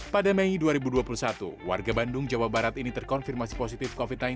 pada mei dua ribu dua puluh satu warga bandung jawa barat ini terkonfirmasi positif covid sembilan belas